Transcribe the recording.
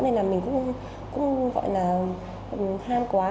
nên là mình cũng gọi là ham quá